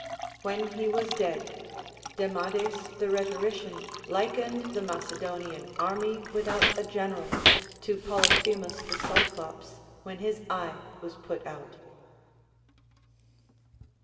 When he was dead, Demades the rhetorician likened the Macedonian army Avithout a general to Polyphemus the Cyclops when his eye Avas put out.